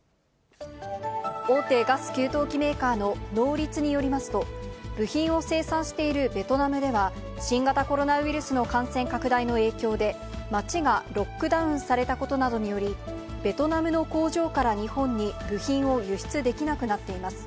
大手ガス給湯器メーカーのノーリツによりますと、部品を生産しているベトナムでは、新型コロナウイルスの感染拡大の影響で、街がロックダウンされたことなどにより、ベトナムの工場から日本に部品を輸出できなくなっています。